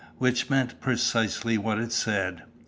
Which meant precisely what it said.